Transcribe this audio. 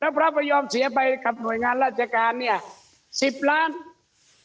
แล้วพระพระยอมเสียไปกับหน่วยงานราชการ๑๐ล้านบาท